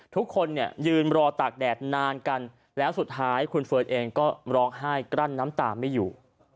ทุกคนเนี่ยยืนรอตากแดดนานกันแล้วสุดท้ายคุณเฟิร์นเองก็ร้องไห้กลั้นน้ำตาไม่อยู่